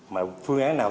mà phương án nào